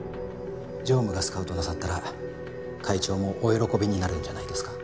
常務がスカウトなさったら会長もお喜びになるんじゃないですか？